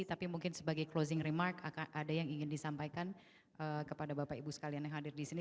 tapi mungkin sebagai closing remark ada yang ingin disampaikan kepada bapak ibu sekalian yang hadir di sini